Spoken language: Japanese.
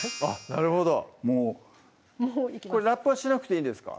なるほどもうこれラップはしなくていんですか？